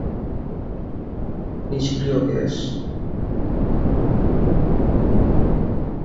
নিষ্ক্রিয় গ্যাস।